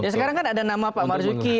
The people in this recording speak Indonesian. sekarang kan ada nama pak marus giyali